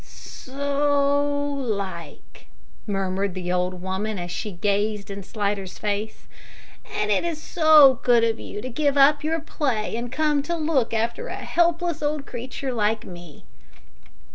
"So like," murmured the old woman, as she gazed in Slidder's face. "And it is so good of you to give up your play and come to look after a helpless old creature like me."